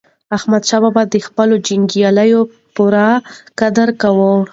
احمدشاه بابا د خپلو جنګیالیو پوره قدر کاوه.